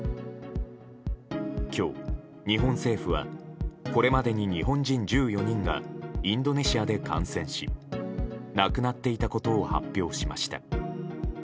今日、日本政府はこれまでに日本人１４人がインドネシアで感染し亡くなっていたことを発表しました。